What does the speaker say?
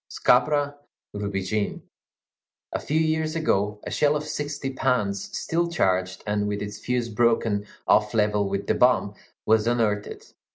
Scabra rubigine. A few years ago, a shell of sixty pounds, still charged, and with its fuse broken off level with the bomb, was unearthed.